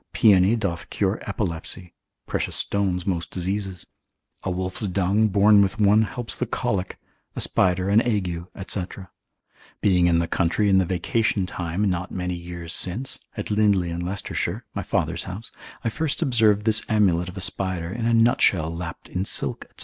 Paeony doth cure epilepsy; precious stones most diseases; a wolf's dung borne with one helps the colic, a spider an ague, &c. Being in the country in the vacation time not many years since, at Lindley in Leicestershire, my father's house, I first observed this amulet of a spider in a nut shell lapped in silk, &c.